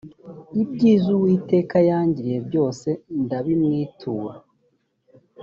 ibyiza uwiteka yangiriye byose ndabimwitura